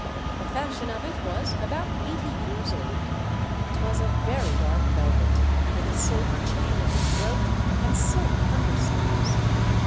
The fashion of it was about eighty years old : 'twas of very dark velvet, with a silver chain at the throat and silk under sleeves.